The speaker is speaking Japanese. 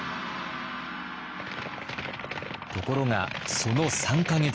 ところがその３か月後。